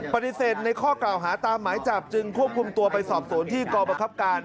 ปฏิเสธในข้อกล่าวหาตามหมายจับจึงควบคุมตัวไปสอบสวนที่กรบังคับการ